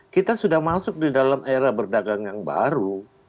kita sudah masuk di dalam era berdagang yang baru